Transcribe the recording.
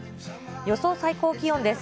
予想最高気温です。